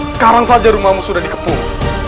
sekarang saja rumahmu sudah dikepung